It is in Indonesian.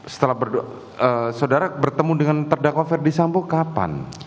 setelah berdoa saudara bertemu dengan terdakwa ferdi sambo kapan